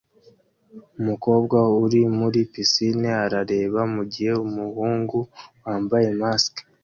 Umukobwa uri muri pisine arareba mugihe umuhungu wambaye mask